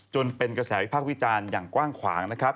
จนเป็นกระแสวิพากษ์วิจารณ์อย่างกว้างขวางนะครับ